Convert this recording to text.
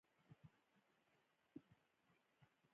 د دې لپاره چې د عمل جامه واغوندي.